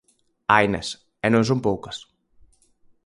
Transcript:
Hainas, e non son poucas.